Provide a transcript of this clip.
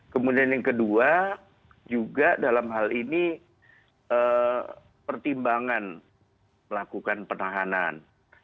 kemudian yang kedua juga dalam hal ini pertimbangan melakukan penahanan